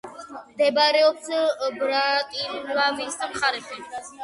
მდებარეობს ბრატისლავის მხარეში.